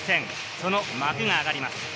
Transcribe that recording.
その幕が上がります。